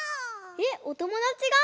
えっおともだちが？